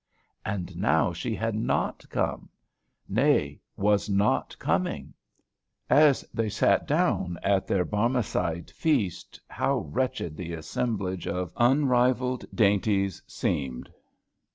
And now she had not come, nay, was not coming! As they sat down at their Barmecide feast, how wretched the assemblage of unrivalled dainties seemed!